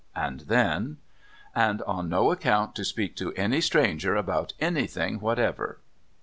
And then: "And on no account to speak to any stranger about anything whatever."